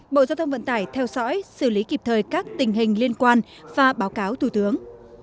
bộ giao thông vận tải theo dõi xử lý kịp thời các tình hình liên quan và báo cáo thủ tướng